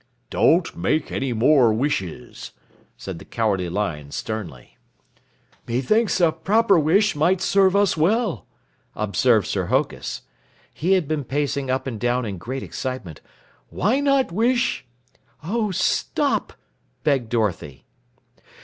"Don't make any more wishes," said the Cowardly Lion sternly. "Methinks a proper wish might serve us well," observed Sir Hokus. He had been pacing up and down in great excitement. "Why not wish " "Oh, stop!" begged Dorothy.